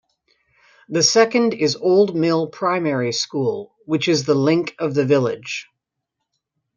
The second is Old Mill Primary School which is the link of the village.